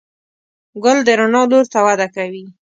ګل د رڼا لور ته وده کوي.